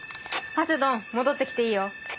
ハセドン戻って来ていいよ。